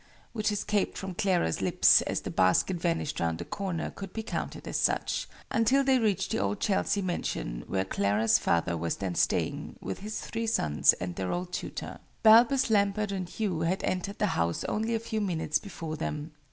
which escaped from Clara's lips as the basket vanished round a corner could be counted as such until they reached the old Chelsea mansion, where Clara's father was then staying, with his three sons and their old tutor. Balbus, Lambert, and Hugh had entered the house only a few minutes before them.